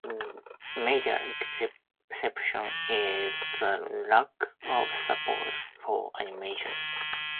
A major exception is the lack of support for animation.